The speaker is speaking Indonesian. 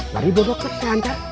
mari bu dokter saya antar